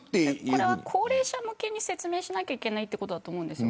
これは高齢者向けに説明しないといけないということだと思うんです。